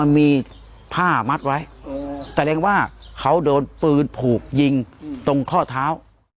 มีผ้ามัดไว้แสดงว่าเขาโดนปืนผูกยิงตรงข้อเท้า